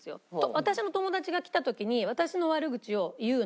私の友達が来た時に私の悪口を言うの。